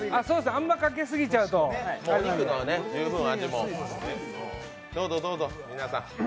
あんまりかけすぎちゃうとあれなんで。